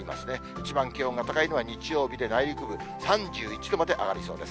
一番気温が高いのは日曜日で、内陸部３１度まで上がりそうです。